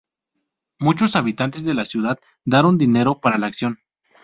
Muchos habitantes de la ciudad daron dinero para la acción.